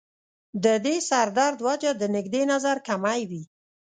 د دې سر درد وجه د نزدې نظر کمی وي